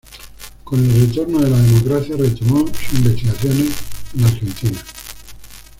Con el retorno de la democracia, retomó sus investigaciones en Argentina.